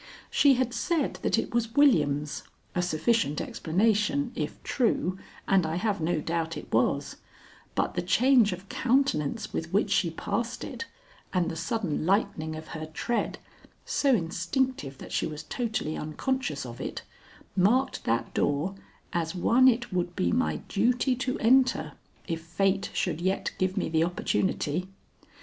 She had said that it was William's a sufficient explanation, if true, and I have no doubt it was, but the change of countenance with which she passed it and the sudden lightening of her tread (so instinctive that she was totally unconscious of it) marked that door as one it would be my duty to enter if fate should yet give me the opportunity.